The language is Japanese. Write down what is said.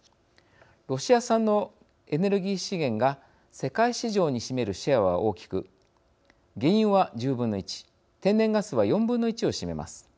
ロシア産のエネルギー資源が世界市場に占めるシェアは大きく原油は１０分の１天然ガスは４分の１を占めます。